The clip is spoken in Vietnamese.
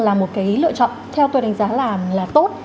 là một cái lựa chọn theo tôi đánh giá là tốt